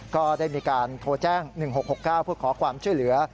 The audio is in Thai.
ก็ได้มีการโทรแจ้ง๑๖๖๙เพื่อขอความช่วยเหลือ